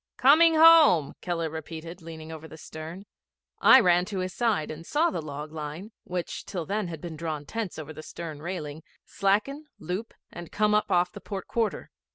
'Coming home,' Keller repeated, leaning over the stern. I ran to his side and saw the log line, which till then had been drawn tense over the stern railing, slacken, loop, and come up off the port quarter.